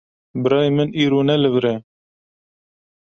Birayê min îro ne li vir e.